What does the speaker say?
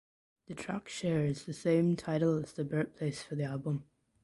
The track shares the same title as the birthplace for the album.